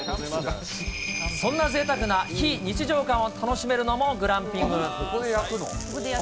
そんなぜいたくな非日常感を楽しめるのもグランピング。